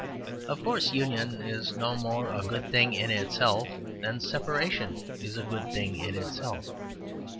Of course, union is no more a good thing in itself than separation is a good thing in itself.